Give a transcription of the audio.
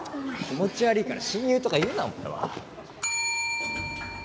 気持ち悪いから親友とか言うなお前は。